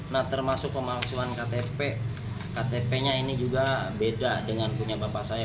nah termasuk pemalsuan ktp ktp nya ini juga beda dengan punya bapak saya